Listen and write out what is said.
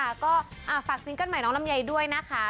ค่ะก็ฝากซิงเกิลใหม่น้องลำนายด้วยนะคะ